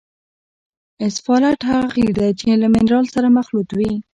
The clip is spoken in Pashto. اسفالټ هغه قیر دی چې له منرال سره مخلوط وي